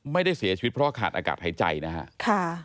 ไม่ได้เสียชีวิตเพราะว่าขาดอากาศหายใจนะครับ